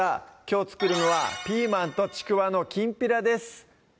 きょう作るのは「ピーマンとちくわのきんぴら」です